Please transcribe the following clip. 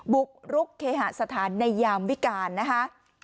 บุกรุกเคหาสถานในยามวิการนะคะ